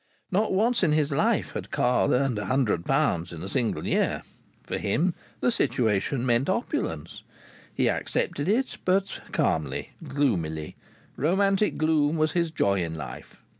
Not once in his life had Carl earned a hundred pounds in a single year. For him the situation meant opulence. He accepted it, but calmly, gloomily. Romantic gloom was his joy in life.